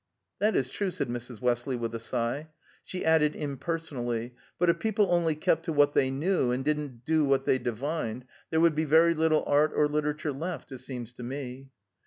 "That is true," said Mrs. Westley with a sigh. She added impersonally; "But if people only kept to what they knew, and didn't do what they divined, there would be very little art or literature left, it seems to me."